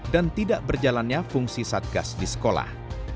dan tidak berjalannya fungsi satgas di sekolah